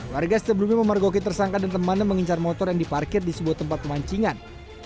warga sebelumnya memergoki tersangka dan temannya mengincar motor yang diparkir di sebuah tempat pemancingan